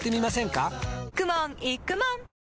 かくもんいくもん！